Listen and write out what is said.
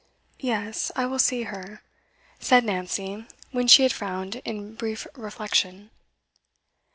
'Yes, I will see her,' said Nancy, when she had frowned in brief reflection.